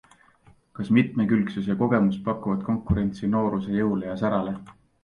Kas mitmekülgsus ja kogemus pakuvad konkurentsi nooruse jõule ja särale?